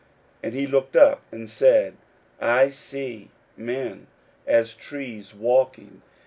41:008:024 And he looked up, and said, I see men as trees, walking.